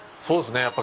そうですね。